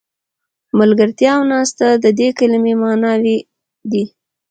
ملګرتیا او ناسته د دې کلمې معناوې دي.